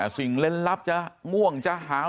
เล่นลับจะม่วงจะหาว